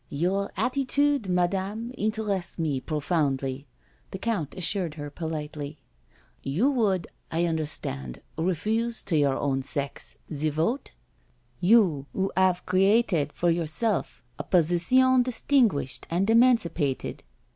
*' Your attitude, Madame, interests me profoundly," the Count assured her politely. You would, I under stand, refuse to your own sex, the vote? You, who have created for yourself a position distinguished and eman cipated.